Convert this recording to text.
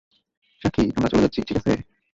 সাক্ষী, আমরা চলে যাচ্ছি ঠিক আছে।